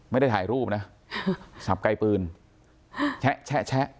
ไม่ได้ถ่ายรูปนะสับไกลปืนแชะ